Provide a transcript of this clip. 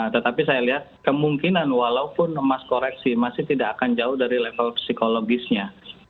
tetapi saya lihat kemungkinan walaupun emas koreksi masih tidak akan jauh dari level psikologisnya